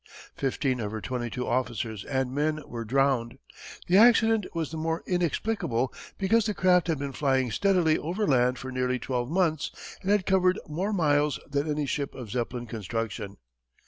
Fifteen of her twenty two officers and men were drowned. The accident was the more inexplicable because the craft had been flying steadily overland for nearly twelve months and had covered more miles than any ship of Zeppelin construction.